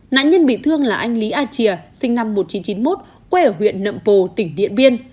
nạn nhân bị thương là anh lý a chìa sinh năm một nghìn chín trăm chín mươi một quê ở huyện nậm pồ tỉnh điện biên